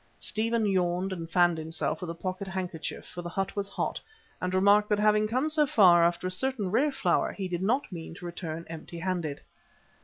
Stephen yawned and fanned himself with a pocket handkerchief, for the hut was hot, and remarked that having come so far after a certain rare flower he did not mean to return empty handed.